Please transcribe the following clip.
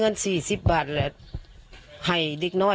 ครับ